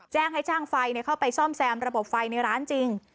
แจ้งให้ช่างไฟเข้าไปซ่อมแซมระบบไฟในร้านจริง